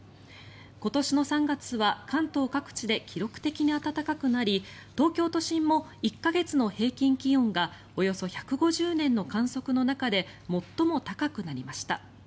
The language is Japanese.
今年の３月は、関東各地で記録的に暖かくなり東京都心も１か月の平均気温がおよそ１５０年の観測の中で最も高くなりました。